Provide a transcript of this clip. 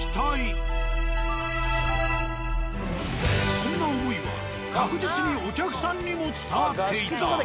そんな思いは確実にお客さんにも伝わっていた。